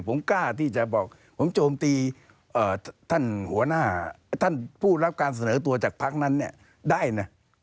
ผมกล้าที่จะบอกผมโจมตีท่านหัวหน้าท่านผู้รับการเสนอตัวจากพักนั้นเนี่ยได้นะ